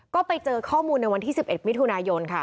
ก็ไปเจอข้อมูลในวันที่๑๑มิถุนายนค่ะ